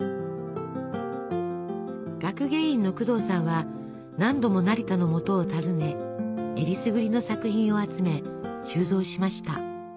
学芸員の工藤さんは何度も成田のもとを訪ねえりすぐりの作品を集め収蔵しました。